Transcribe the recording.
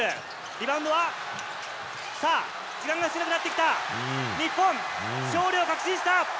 リバウンドは、さあ、時間が少なくなってきた、日本、勝利を確信した。